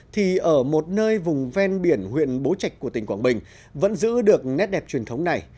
thì ở một nơi vùng ven biển huyện bố trạch của tỉnh quảng bình vẫn giữ được nét đẹp truyền thống này